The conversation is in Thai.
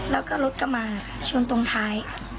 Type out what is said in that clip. แล้วก็รถกระบะชนตรงท้าย